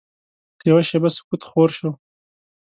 یوه شېبه سکوت خور شو.